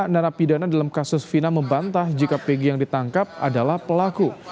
narapidana dalam kasus fina membantah jika pg yang ditangkap adalah pelaku